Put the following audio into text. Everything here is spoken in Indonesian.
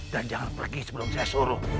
dan jangan pergi sebelum saya suruh